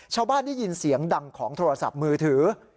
ได้ยินเสียงดังของโทรศัพท์มือถือ